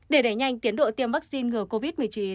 để đẩy nhanh tiến độ tiêm vaccine ngừa covid một mươi chín